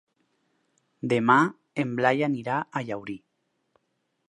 Demà en Blai anirà a Llaurí.